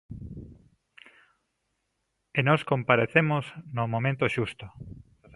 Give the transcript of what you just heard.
E nós comparecemos no momento xusto.